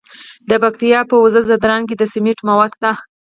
د پکتیا په وزه ځدراڼ کې د سمنټو مواد شته.